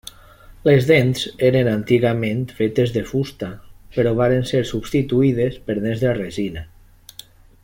Les dents eren antigament fetes de fusta, però varen ser substituïdes per dents de resina.